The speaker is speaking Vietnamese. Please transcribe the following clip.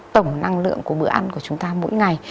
tổng năng lượng của bữa ăn của chúng ta mỗi ngày